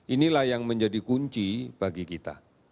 inilah yang menjadi kunci bagi kita